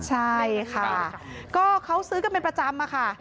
ใช่ค่ะก็เขาซื้อกันเป็นประจำอะค่ะ